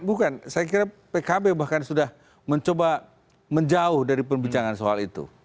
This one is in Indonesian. bukan saya kira pkb bahkan sudah mencoba menjauh dari perbincangan soal itu